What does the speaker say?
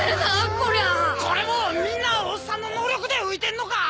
コリャこれもみんなオッサンの能力で浮いてんのか？